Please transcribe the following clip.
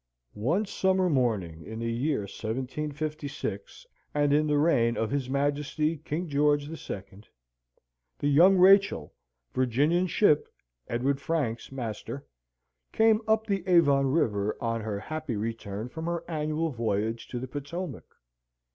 One summer morning in the year 1756, and in the reign of his Majesty King George the Second, the Young Rachel, Virginian ship, Edward Franks master, came up the Avon river on her happy return from her annual voyage to the Potomac.